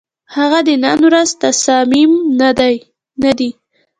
هغه د نن ورځ تصامیم نه دي،